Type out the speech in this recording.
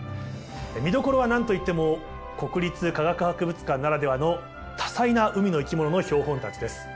見どころは何と言っても国立科学博物館ならではの多彩な海の生き物の標本たちです。